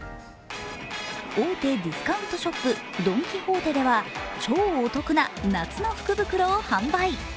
大手ディスカウントショップドン・キホーテでは超お得な夏の福袋を販売。